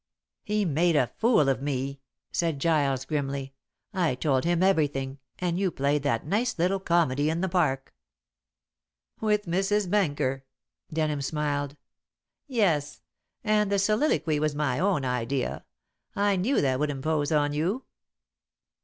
"He made a fool of me," said Giles grimly. "I told him everything, and you played that nice little comedy in the park." "With Mrs. Benker?" Denham smiled. "Yes; and the soliloquy was my own idea. I knew that would impose on you."